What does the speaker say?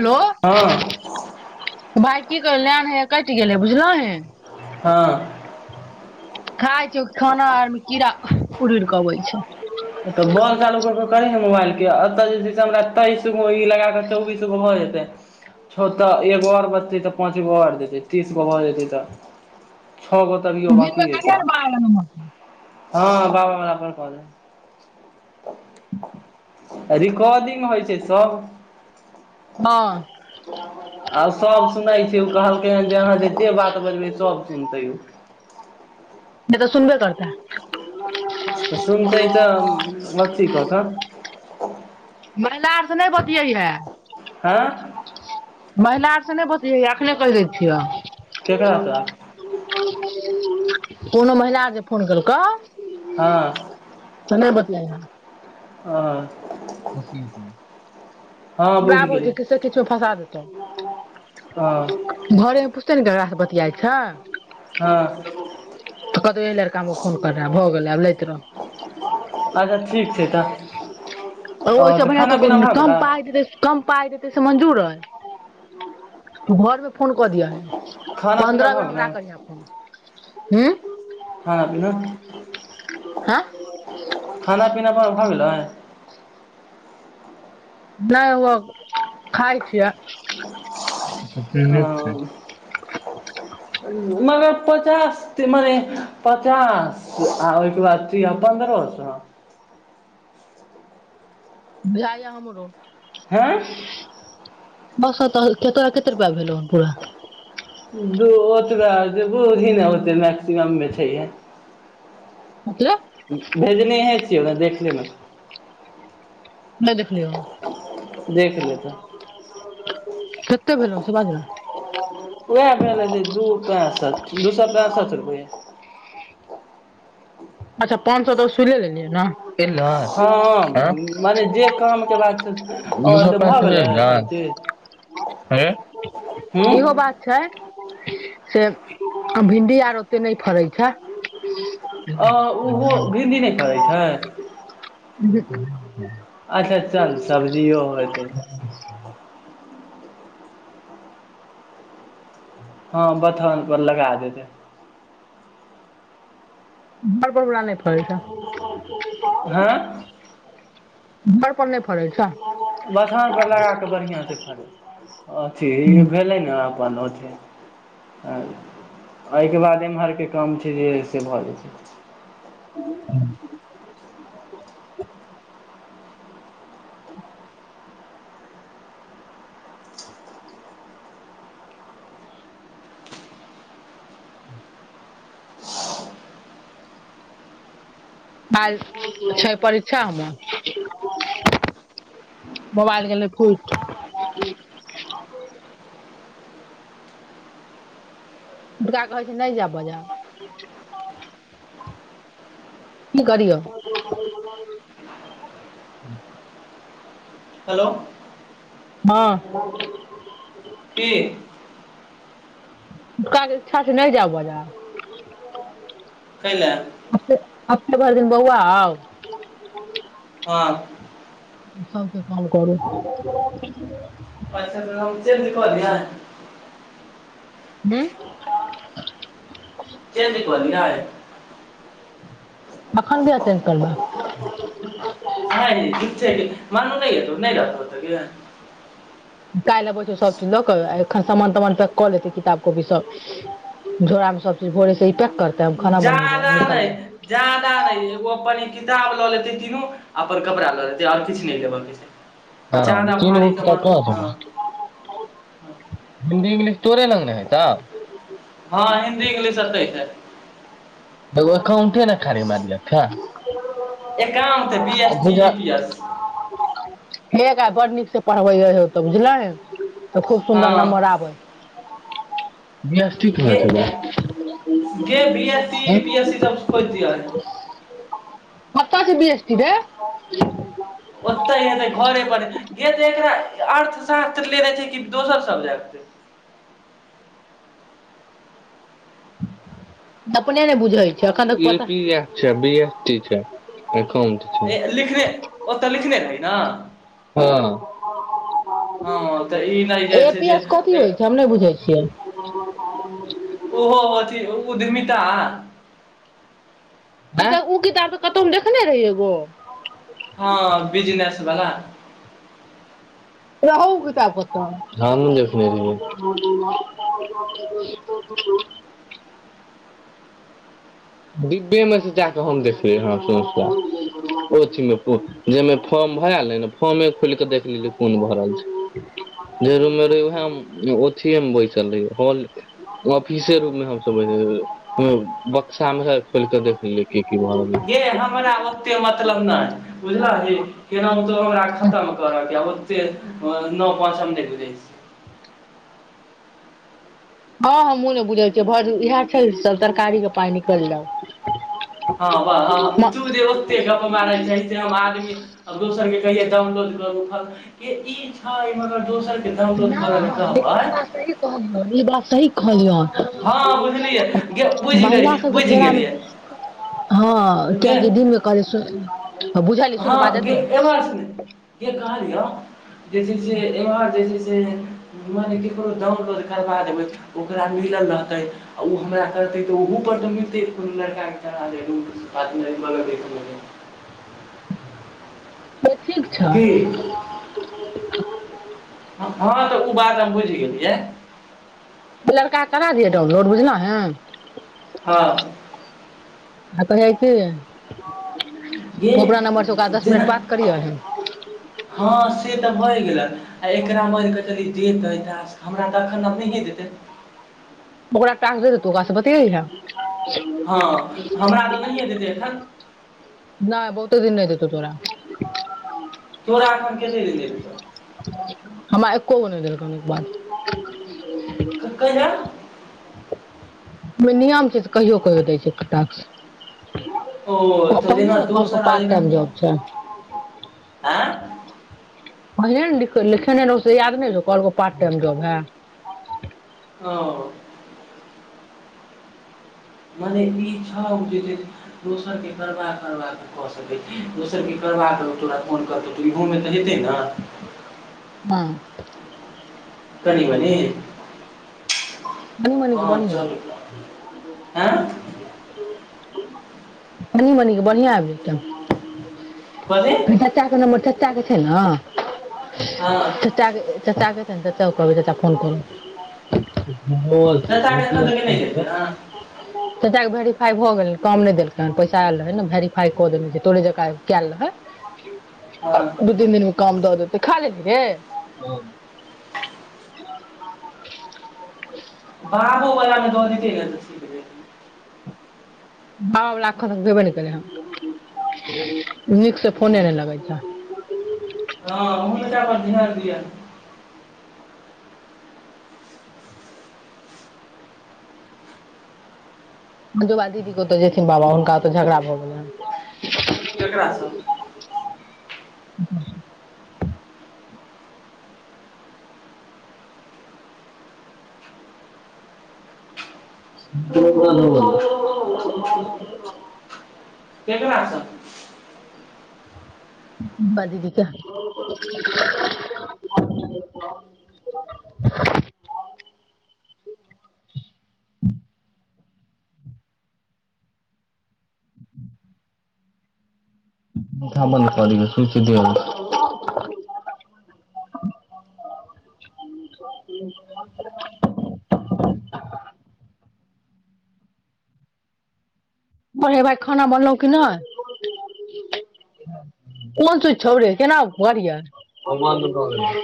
hello हँ भाय की करी लाइन हैये कटि गेलै बुझलहिन हँ खाय छियौ खाना आर मे कीड़ा उड़ि उड़ि कऽ अबै छौ एतय जे छै से हमरा तेइस गो ई लगा कऽ चौबीस गो भऽ जेतै छ तऽ एगो आओर बचतै तऽ पाँच गो आओर जेतै तीस गो भऽ जेतै तऽ छओ गो तभियो दिनमे बाकी करिहें हेतै न बाय ने मत [unintelligible] हँ बाबा बला पर कऽ देब रिकॉर्डिंग होइ छै तब हँ आ सब सुनै छै ओ कहलकै हन जे अहाँ जते बात बजबै सब सुनतै ओ नहि तऽ सुनबे करतै तऽ सुनतेै तऽ अथी कऽ कऽ महिला आर से नहि बतियैहे हँ महिला आर से नहि बतियैहे अखने कहि दै छिय केकरा सँ कोनो महिला आर जे फोन केलकौ हँ से नहि बतियैहें हँ हँ बुझि बाबु गेली छै किछु से किछु मे फंसा देतौ हँ तब घरे मे ने ककरा सँ बतियाइत छै हँ तऽ कहतौ एहि लड़का हमरा फोन करै हे भऽ गेलै आब लैत रह अच्छा ठीक छै तऽ ओ ओहि सँ बढ़ियां खाना तऽ पीना भऽ कम गेलै पाइ देतै कम पाइ देतै से मंजूर तऽ घरमे फोन कऽ दियहिन खाना पीना पन्द्रह बेर भऽ गेलै हमरा करिहे फोन हूँ खाना पीना हँ खाना पीना ब भऽ गेलै नहि ओ खाइ छिय ओ मगर पचास मने पचास आ ओहिके बाद पन्द्रह सौ भे ये हमरो हँ बस त कत कते रुपैआ भेलेल पूरा दू ओतबे जे बुद्धी ने ओतेक मैक्सिमममे छैहे बतले भेजनी है देखटल ने नहि देखलियौ देख लेतऽ सेतेक भेलेल से बझ ने उएह भेल दू पैंसठ दू सए पैंसठि रुपए अच्छा पाँच सए तऽ सुले लेलियै ने हँ मने जे कामके बात छै आओर तऽ भऽ गेलै सभचीज हूँ इहो बात छै से भिण्डी आर ओतेक नहि फड़ैत छै आ ह ओहो बििन्दी नहि करै छै ह अच्छा चल सबजिओ होतै हँ बथनपर लगा देतै घर परबरा नहि फर छै हँ घर पर नहि फड़ै छ बसाँत परर लगा कऽ बढ़िआँ से फड़ अथी ई भेलै ने छै एहिके बाद एम्हरके काम छै जे से भऽ जेतै ह ब छै परीक्षा हमर मोबाइल गेलै पुट क कहै छै नहि जा ब जा क करिय हेलो हँ की काजच्छा से नहि जाउ बाजार क ल हफने भरि दिन बौआ आ बात सके काम करू पच च कहल ह च द कलल राय तखन भी अतें करबा ह ठीक छै मानू नहि हतौ नहि रहतत क निकालहि अबै छै सब चीज लऽ के एखन सामान तामान पैक कऽ लेते किताब कॉपी सब झोड़ा मे सब चीज भोरे ई पैक करतै हम खाना बनेबै जदाा नहि निकलबै जादा नहिगो अपन किताब लऽ लेते तीनू आ पर कड़ा लऽ लेते आओर किछु नहि लेब के छै हँ जादा चीन उ भारी त सामान हँ तोरे लंग ने हइ तऽ हँ हिन्दी इंग्लिश एतै छै बग अखा ऊठे न खरी मारियाथ एकामे तै B S T E P S एक आ बड़ नीक से पढ़बै यौ तऽ बुझले तऽ खूब सुन्दर हँ नम्बर आबै न ठीक ह गे छल गे B S C A P S C जब खोज द है बतास बी एसट दे ओते हेतै घोरे पर जे देखरा अर्थ श्र लेने छै कि दोसर सबजेक्ट अपने ने बुझल छै एखन तक एकाउंट छै लिखने ओतऽ लिखने रह न हँ हँ तऽ ई नहि जा ए छै पी जे एस कथी होइ छै हम नहि बुझै छियै ओहो ओ धीमिता अ ओ किताब तऽ कतहु देखने रहि एगो हँ बिजनेस बला प अपने डिब्बे मे से जाक हम देखली हसाथ जाहिमे फॉर्म भरले ने फॉर्मे खोल के देख लेली कोन भर छै जे रूम मे रहे उहथ मे बैसल रहेॉल ऑफिसे रू मे हम साम खोलिकऽ देख खोल की रहलै ये हमराबते मतलब नहि बुझल हे केना हमरा खतम कर न पाँ स हम देखू जाइ छै हँ हमूँ ने बुझल छियै भ इएह छै सब तरकारी के पाइ निकललहु हँाह दे ओते गप मारै छै आदमी दोसरके ई दोसरके डाउनलोड करऽ लए नहि लेकिन कहबै ई बात सही कहलियौन ई बात सही हँ जी बुझलियै हँ गे बुझि महिला गेलियै सबके बुझि फेरामे गेलियै हँ गे कियकि दिनमे करै हँ एहिबार से नहि जे कहलियै जे छै से एहिबार जे छै से मने ककरो दान करबा देबै ओकरा मिलल रहतै आ ओ हमरा करतै तऽ ओहपर तऽ मिलतै को लड़काके त से ठीक छौ ही हँ तऽ ओ बात हम बुझि गेलियै लड़का करा दिय ोम लोड बुझना है हँ ह तऽ हइ क ग जेना करियहैं हँ से तऽ होय गेलै आ एकरा मार कऽ चलि देतै त हमरा दखन आर नहिए देतै ओकरा एकटा आ देतो काश पाीैा हँ हमरा तऽ नहिए देतै एखन त तोरा एखन कत देखत हमरा एको गो नहि देलख बाद ककर ओ नियम छै तऽ कहियो कहियो दै छै कटाक ओ त दना दू स पार्ट रहललना टाइम जॉब छै आँ कहहि ने लिखेने रहस याद नहिौ कलको पार्ट टाइम जॉब है ओ मनेे ई छौ जे दोसरकेँ करवा करबा त कऽ सकै छी दोसरकेँ करबा करौ तोरा फोन करतौ तऽ इहोमे तऽ हेतै ने हँ कनी बनी कनी मनी के हँ बढ़ियां चलू हँ मनी मनीे बढ़िआँ आबि जेतै कथी च्चाे नर चा ने हँ तत ततागत चौ कभी त फोन करू चाचाके एखन तक नहि जेतै हँ ताक भे खा भऽ गेलनि कम नहि देल तन पैसा आयल रहे ने वेरीफाई कऽ देने छै तोरे जका कयल रहे हँ दू तीन दिन मु काम द दत तऽ खा लेथि रे [unintelligible] बाबू बलामे दऽ द भावावलाखन तक देयबे नहि कलै हन नीकसँ फोने नहि लगै छह हँ ओहलकापर ध्यान दिअ ह जा दीदी कतऽ जेथिन बाबा हुनका ओतऽ झगड़ा भऽ गेलनि केकराास सब ब [unintelligible] केकरास ब दीदी क मठ बन्द कर सूची देब [unintelligible] े भाय खाना बनलहु क नहि कोन च छौड़े केना घर य